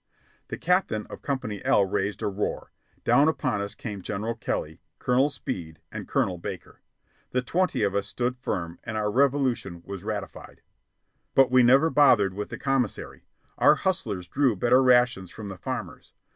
The captain of Company L raised a roar. Down upon us came General Kelly, Colonel Speed, and Colonel Baker. The twenty of us stood firm, and our revolution was ratified. But we never bothered with the commissary. Our hustlers drew better rations from the farmers.